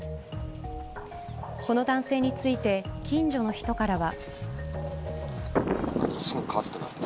この男性について近所の人からは。